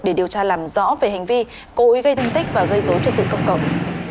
để điều tra làm rõ về hành vi cố ý gây thương tích và gây rối cho tình cộng cộng